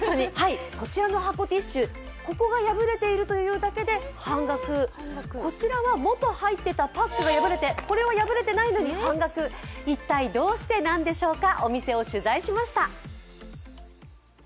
こちらの箱ティッシュ、こちらが破れているというだけで半額、こちらはもとはいっていたパックが破れていてこれは破れていないのに半額一体どうしてなんでしょうかお店を取材しました。